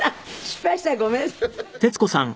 失敗したらごめんなさい。